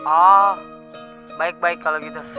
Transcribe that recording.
oh baik baik kalau gitu